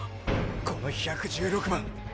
この１１６番！！